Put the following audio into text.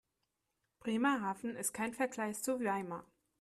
Bremerhaven ist kein Vergleich zu Weimar